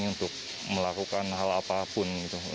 untuk melakukan hal apapun